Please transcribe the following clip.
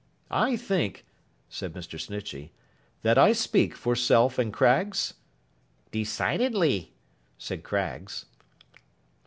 I think,' said Mr. Snitchey, 'that I speak for Self and Craggs?' 'Decidedly,' said Craggs.